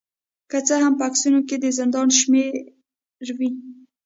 که څه هم په عکسونو کې د زندان شمیرې وې